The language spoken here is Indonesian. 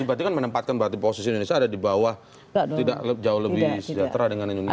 itu berarti menempatkan posisi indonesia di bawah tidak jauh lebih sejahtera dengan indonesia